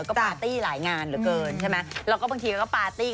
ก็ปาร์ตี้หลายงานเหลือเกินใช่ไหมแล้วก็บางทีก็ปาร์ตี้